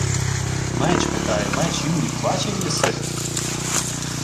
— Меч, питаю, меч Юрів бачив єси?